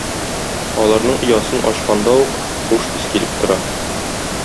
Аларның оясын ачканда ук хуш ис килеп тора.